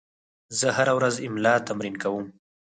زه هره ورځ املا تمرین کوم.